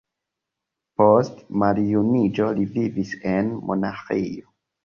Post maljuniĝo li vivis en monaĥejo.